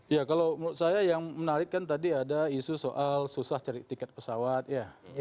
ya kalau menurut saya yang menarik kan tadi ada isu soal susah cari tiket pesawat ya